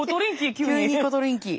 急にコトリンキー。